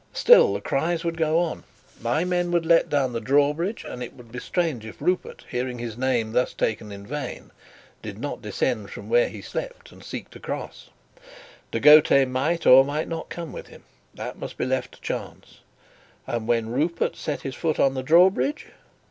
Still the cries would go on; and my men would let down the drawbridge; and it would be strange if Rupert, hearing his name thus taken in vain, did not descend from where he slept and seek to cross. De Gautet might or might not come with him: that must be left to chance. And when Rupert set his foot on the drawbridge?